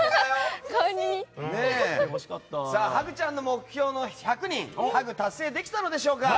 ハグちゃんの目標の１００人ハグ達成できたのでしょうか？